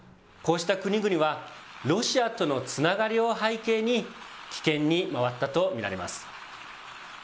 こうした国々は、ロシアとのつながりを背景に、棄権に回ったと見られます。